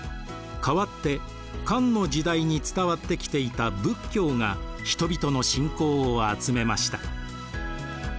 代わって漢の時代に伝わってきていた仏教が人々の信仰を集めました。